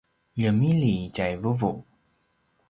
ljemilji tjai vuvu